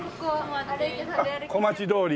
あっ小町通り。